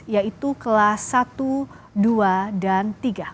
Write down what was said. yaitu kelas satu dua dan tiga